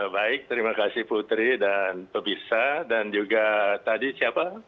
baik terima kasih putri dan pemirsa dan juga tadi siapa